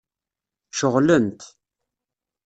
Ceɣlent.